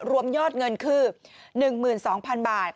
รวมยอดเงินคือ๑๒๐๐๐บาท